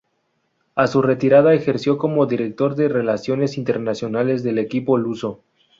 A su retirada ejerció como director de relaciones internacionales del equipo luso.